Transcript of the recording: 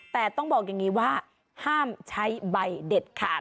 แต่ต้องบอกอย่างนี้ว่าห้ามใช้ใบเด็ดขาด